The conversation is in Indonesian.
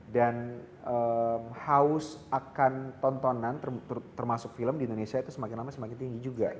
dan haus akan tontonan termasuk film di indonesia itu semakin lama semakin tinggi juga gitu